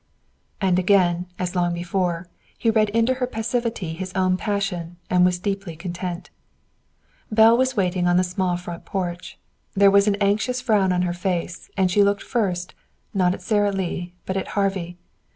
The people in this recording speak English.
And again, as long before, he read into her passivity his own passion, and was deeply content. Belle was waiting on the small front porch. There was an anxious frown on her face, and she looked first, not at Sara Lee, but at Harvey.